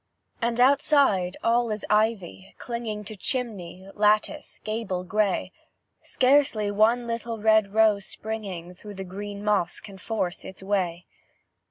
And outside all is ivy, clinging To chimney, lattice, gable grey; Scarcely one little red rose springing Through the green moss can force its way.